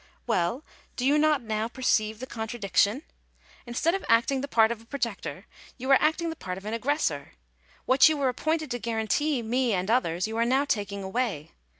" Well, do you not now perceive the contradiction? Instead of acting the part of a protector you are acting the part of an aggressor. What you were appointed to guarantee me and others, you are now taking away.